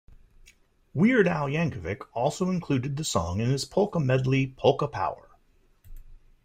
"Weird Al" Yankovic also included the song in his polka medley "Polka Power!